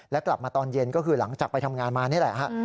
และกลับมาตอนเย็นก็คือหลังจากไปทำงานมานี่แหละฮะ